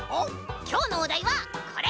きょうのおだいはこれ！